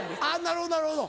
なるほどなるほど。